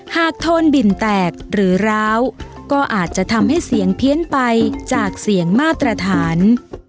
โทนบินแตกหรือร้าวก็อาจจะทำให้เสียงเพี้ยนไปจากเสียงมาตรฐาน